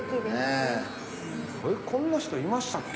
こんな人いましたっけ？